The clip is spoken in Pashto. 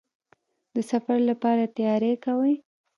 د سفر لپاره تیاری کوئ؟